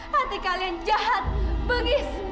hati kalian jahat begis